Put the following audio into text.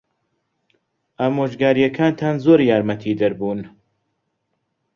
ئامۆژگارییەکانتان زۆر یارمەتیدەر بوون.